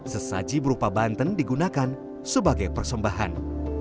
sesaji berupa banten digunakan sebagai persembahan